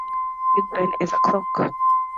Big Ben is a clock?